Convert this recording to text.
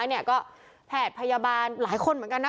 เนี่ยก็แพทย์พยาบาลหลายคนเหมือนกันนะ